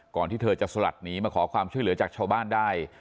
ที่เธอจะสลัดหนีมาขอความช่วยเหลือจากชาวบ้านได้